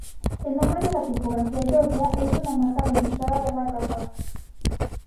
El nombre de la tipografía Georgia es una marca registrada de Microsoft.